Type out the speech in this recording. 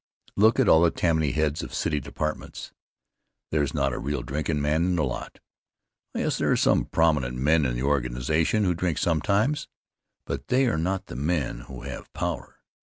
Look at all the Tammany heads of city departments? There's not a real drinkin' man in the lot. Oh, yes, there are some prominent men in the organization who drink sometimes, but they are not the men who have power.